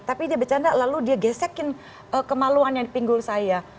tapi dia bercanda lalu dia gesekin kemaluannya di pinggul saya